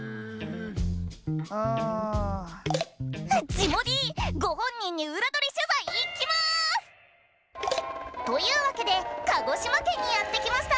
ジモＤご本人に裏取り取材行きます！というわけで鹿児島県にやって来ました！